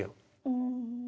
うん。